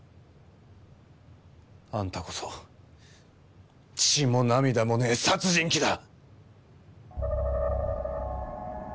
あんたこそ血も涙もねえ殺人鬼だ！